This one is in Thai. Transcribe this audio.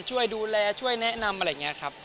ช่วยดูแลช่วยแนะนำอะไรอย่างนี้ครับ